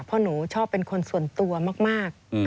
เพราะหนูชอบเป็นคนส่วนตัวมาก